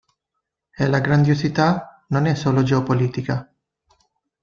E la grandiosità non è solo geopolitica.